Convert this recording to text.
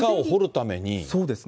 そうですね。